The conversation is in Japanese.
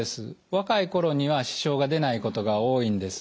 若い頃には支障が出ないことが多いんです。